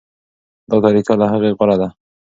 دا طریقه له هغې غوره ده.